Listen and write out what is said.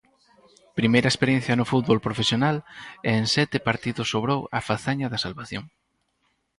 Primeira experiencia no fútbol profesional e en sete partidos obrou a fazaña da salvación.